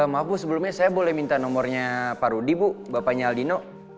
maaf bu sebelumnya saya boleh minta nomornya pak rudi bu bapaknya aldino